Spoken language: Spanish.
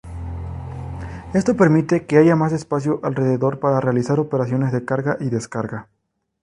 Esto permite que haya más espacio alrededor para realizar operaciones de carga y descarga.